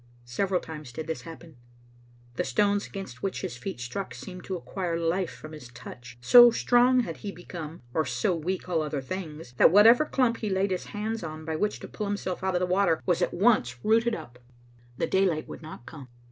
Several times did this happen. The stones against which his feet struck seemed to ac quire life from his touch. So strong had he become, or so weak all other things, that whatever clump he laid hands on by which to pull himself out of the water wa9 ^t onc9 rooted up. Digitized by VjOOQ IC M4 xsbc Xtttle AinMer. The daylight would not come.